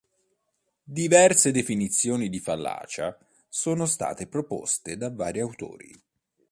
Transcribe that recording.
Diverse definizioni di fallacia sono state proposte da vari autori.